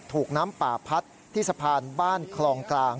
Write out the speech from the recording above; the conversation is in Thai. ถูกน้ำป่าพัดที่สะพานบ้านคลองกลาง